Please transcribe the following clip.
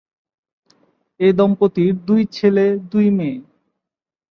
এ দম্পতির দুই ছেলে, দুই মেয়ে।